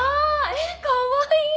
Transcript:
えっかわいい！